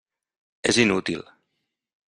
És inútil.